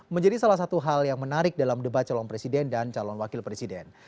menjadi salah satu hal yang menarik dalam debat calon presiden dan calon wakil presiden